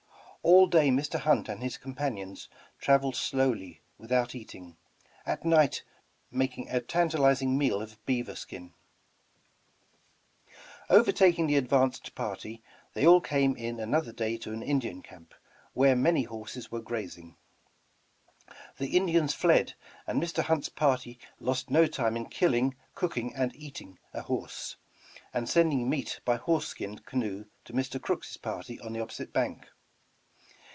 All day Mr. Hunt and his companions traveled slowly without eating, at night making a tan talizing meal of beaver skin. 189 The Original John Jacob Astor Overtaking the advanced party, they all came in another day to an Indian camp, where many horses were grazing. The Indians fled, and Mr. Hunt's party lost no time in killing, cooking and eating n horse, and sending meat by horse skin canoe to Mr. Crooks' party on the opposite bank.